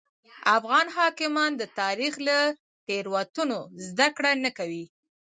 افغان حاکمان د تاریخ له تېروتنو زده کړه نه کوي.